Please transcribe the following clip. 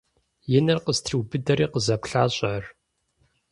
И нэр къыстриубыдэри къызэплъащ ар.